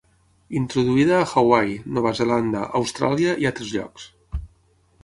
Introduïda a Hawaii, Nova Zelanda, Austràlia i altres llocs.